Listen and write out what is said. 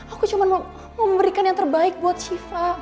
aku cuma mau memberikan yang terbaik buat shiva